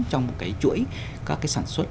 trong chuỗi các sản xuất